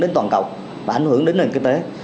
đến toàn cầu và ảnh hưởng đến nền kinh tế